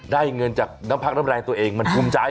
ได้เงินจากน้ำพักน้ำแรงตัวเองมันภูมิใจ